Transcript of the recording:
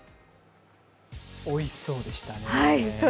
おいしそうでしたね。